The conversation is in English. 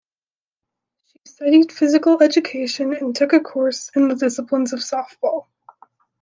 She studied physical education and took a course in the disciplines of softball.